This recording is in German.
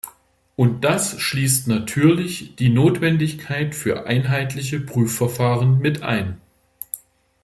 Und das schließt natürlich die Notwendigkeit für einheitliche Prüfverfahren mit ein.